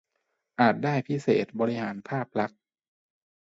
อาจได้พิเศษ บริหารภาพลักษณ์